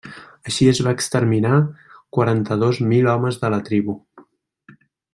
Així es va exterminar quaranta-dos mil homes de la tribu.